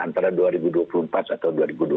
antara dua ribu dua puluh empat atau dua ribu dua puluh